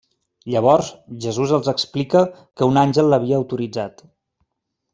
Llavors, Jesús els explica que un àngel l'havia autoritzat.